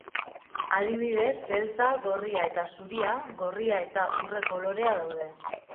Adibidez, beltza, gorria eta zuria, gorria eta urre kolorea daude.